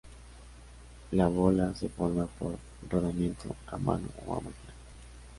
La bola se forma por rodamiento, a mano o a máquina.